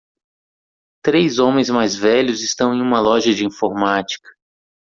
Três homens mais velhos estão em uma loja de informática.